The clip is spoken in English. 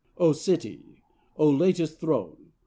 Oh City! Oh latest Throne!